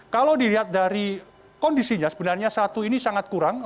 kalau dilihat dari kondisinya sebenarnya satu ini sangat kurang